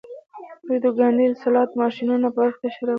د دوی ګاونډۍ د سلاټ ماشینونو برخې ته اشاره وکړه